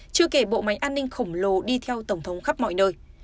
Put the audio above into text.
chưa kể bộ máy an ninh khổng lồ đi theo tổng thống khắp mọi nơi